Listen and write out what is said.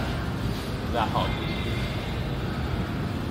ضحاک